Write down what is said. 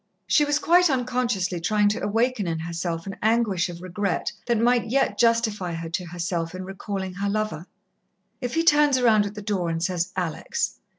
She was quite unconsciously trying to awaken in herself an anguish of regret that might yet justify her to herself in recalling her lover. If he turns round at the door and says, "Alex!"